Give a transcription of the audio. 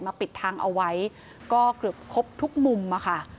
ปิดทางเอาไว้ก็เกือบครบทุกมุมอะค่ะ